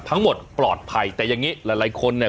ทั้งหมดปลอดภัยแต่อย่างงี้หลายหลายคนเนี่ย